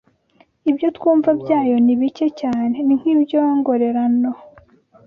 Ibyo twumva byayo ni bike cyane, ni nk’ibyongorerano